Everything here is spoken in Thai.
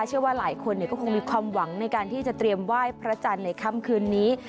เชื่อว่าหลายคนก็คงมีความหวังในการที่จะเตรียมไหว้พระจันทร์ในค่ำคืนนี้